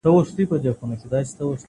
ما یې له منبره د بلال ږغ اورېدلی دی-